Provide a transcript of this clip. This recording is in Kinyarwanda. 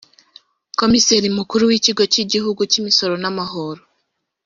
Komiseri Mukuru w’Ikigo cy’Igihugu cy’Imisoro n’amahoro